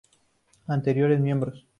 Anteriores miembros